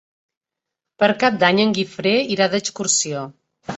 Per Cap d'Any en Guifré irà d'excursió.